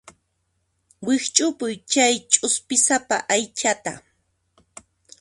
Wikch'upuy chay ch'uspisapa aychata.